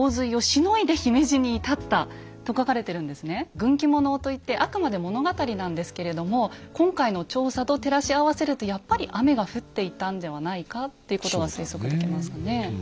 「軍記物」といってあくまで物語なんですけれども今回の調査と照らし合わせるとやっぱり雨が降っていたんではないかっていうことは推測できますよね。